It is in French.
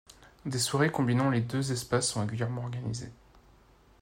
Des soirées combinant les deux espaces sont régulièrement organisées.